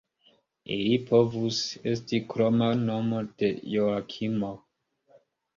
Eli povus esti kroma nomo de Joakimo.